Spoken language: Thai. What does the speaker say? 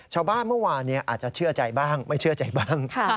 ชาวบ้านเมื่อวานอาจจะเชื่อใจบ้างไม่เชื่อใจบ้าง